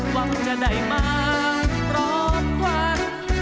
หวังจะได้มารอบควัน